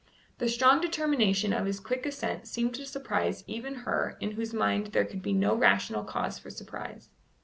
The strong determination of his quick assent seemed to surprise even her in whose mind there could be no rational cause for surprise.